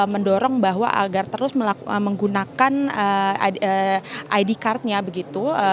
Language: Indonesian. mendorong bahwa agar terus menggunakan id card nya begitu